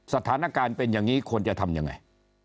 สถานการณ์เป็นอย่างนี้ควรจะทำยังไง